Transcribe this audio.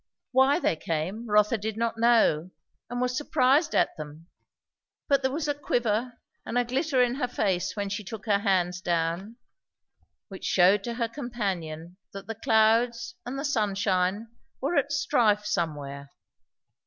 Why they came Rotha did not know, and was surprised at them; but there was a quiver and a glitter in her face when she took her hands down, which shewed to her companion that the clouds and the sunshine were at strife somewhere.